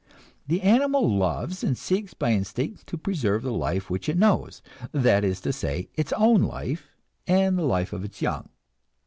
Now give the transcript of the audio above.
The animal loves and seeks by instinct to preserve the life which it knows that is to say, its own life and the life of its young.